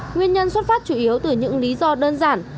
nguyên nhân xuất phát chủ yếu từ những lý do đơn giản